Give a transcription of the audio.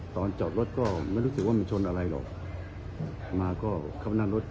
ตอนจอดรถก็ไม่รู้สึกว่ามีชนอะไรหรอกมาก็คับรถรถ